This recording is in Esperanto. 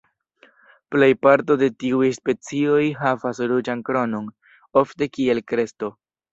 Plej parto de tiuj specioj havas ruĝan kronon, ofte kiel kresto.